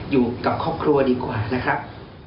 อยู่กับครอบครัวดีกว่านะครับ